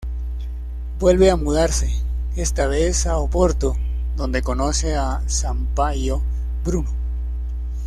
Vuelve a mudarse, esta vez a Oporto, donde conoce a Sampaio Bruno.